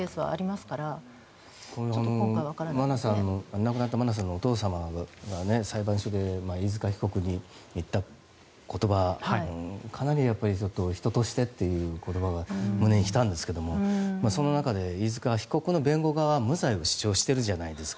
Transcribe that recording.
亡くなった真菜さんのお父様が裁判所で飯塚被告に言った言葉かなり人としてという言葉が胸にきたんですがそんな中で飯塚被告の弁護側は無罪を主張してるじゃないですか。